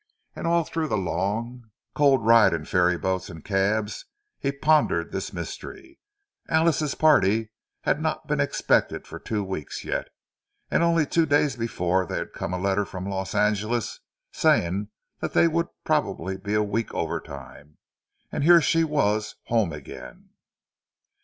And all through the long, cold ride in ferry boats and cabs he pondered this mystery. Alice's party had not been expected for two weeks yet; and only two days before there had come a letter from Los Angeles, saying that they would probably be a week over time. And here she was home again!